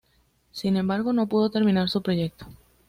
Sin embargo, no pudo terminar su proyecto.